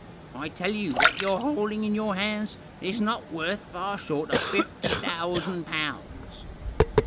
I tell you what you're holding in your hands is not worth far short of fifty thousand pounds."